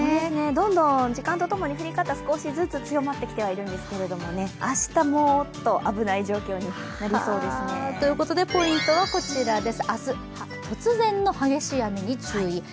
どんどん時間とともに降り方が少しずつ強まってはきてるんですけど、明日もっと危ない状況になりそうですね。ということでポイントはこちら明日、突然の激しい雨に注意。